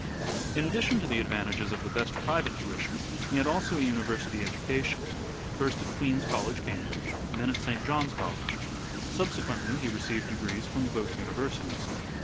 In addition to the advantages of the best private The tuition he had also a university education ; first at Umversities. Queens' College, Cambridge, then at St. John's College. Subsequently he received degrees from both universities.